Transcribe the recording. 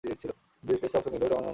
দুই টেস্টে অংশ নিলেও তেমন সফলতা পাননি।